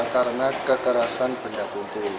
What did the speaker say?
karena keterasan benda kumpul